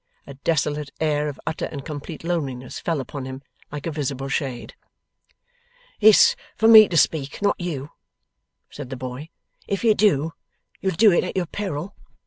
A desolate air of utter and complete loneliness fell upon him, like a visible shade. 'It's for me to speak, not you,' said the boy. 'If you do, you'll do it at your peril.